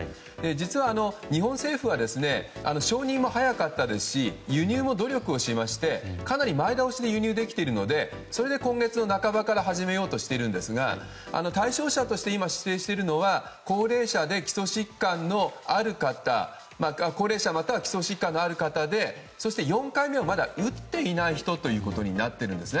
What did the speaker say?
実は、日本政府は承認も早かったですし輸入も努力をしてかなり前倒しで輸入できているので今月半ばから始めようとしていますが対象者として今指定しているのは高齢者または基礎疾患のある方でそして、４回目をまだ打っていない人ということになっています。